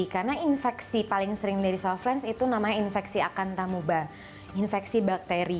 karena infeksi paling sering dari softlens itu namanya infeksi akantamuba infeksi bakteri